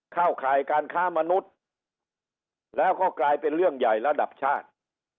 ข่ายการค้ามนุษย์แล้วก็กลายเป็นเรื่องใหญ่ระดับชาติ